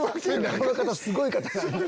この方すごい方なんで。